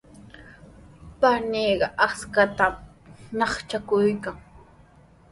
Paniiqa aqchantami ñaqchakuykan.